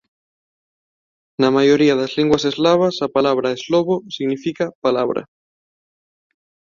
Na maioría de linguas eslavas a palabra "Slovo" significa "Palabra".